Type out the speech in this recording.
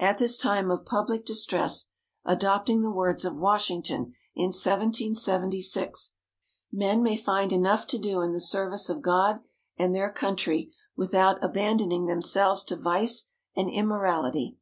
"At this time of public distress" adopting the words of Washington in 1776 "men may find enough to do in the service of God and their Country without abandoning themselves to vice and immorality."